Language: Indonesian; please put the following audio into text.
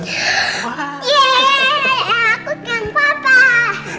yeay aku kena papa